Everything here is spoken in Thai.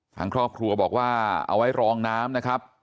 ทางครอบครัวบอกว่าเอาไว้รองน้ำนะครับ